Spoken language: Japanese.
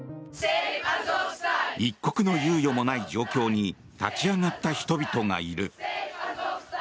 一刻の猶予もない状況に立ち上がった人々がいる。